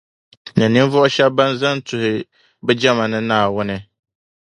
Ni ninvuɣu shεba ban zani n-tuhi bɛ jama ni Naawuni.